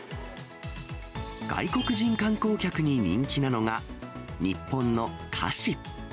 外国人観光客に人気なのが、日本の菓子。